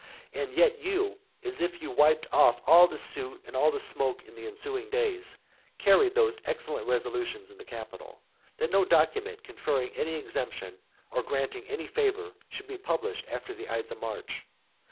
And yet you, as if you had wiped off all the soot and smoke in the ensuing days, carried those excellent resolutions in the Capitol, that no document conferring any exemption, or granting any favour, should be published after the ides of March.